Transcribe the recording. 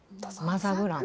「マザグラン」。